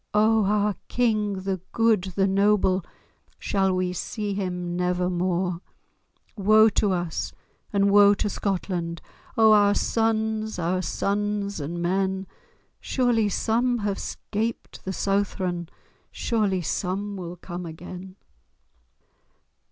O our King—the good, the noble, Shall we see him never more? Woe to us, and woe to Scotland! O our sons, our sons and men! Surely some have 'scaped the Southron, Surely some will come again!"